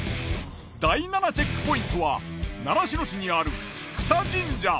第７チェックポイントは習志野市にある菊田神社。